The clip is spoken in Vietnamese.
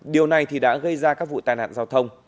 điều này thì đã gây ra các vụ tai nạn giao thông